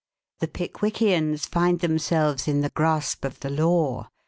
V THE PICKWICKIANS FIND THEMSELVES IN THE GRASP OF THE LAW.